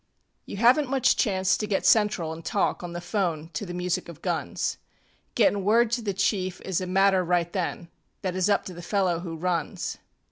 You havenŌĆÖt much chance to get central anŌĆÖ talk On the ŌĆÖphone to the music of guns; GettinŌĆÖ word to the chief is a matter right then That is up to the fellow who runs.